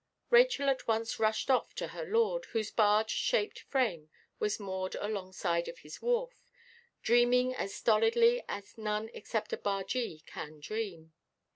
Rachel at once rushed off to her lord, whose barge–shaped frame was moored alongside of his wharf, dreaming as stolidly as none except a bargee can dream.